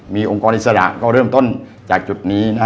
มีองค์กรอิสระก็เริ่มต้นจากจุดนี้นะฮะ